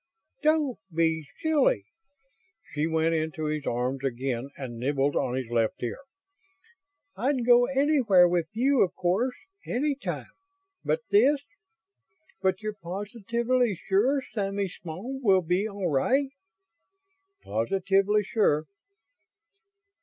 "Don't be silly." She went into his arms again and nibbled on his left ear. "I'd go anywhere with you, of course, any time, but this but you're positively sure Sammy Small will be all right?" "Positively sure."